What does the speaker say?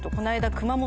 熊本？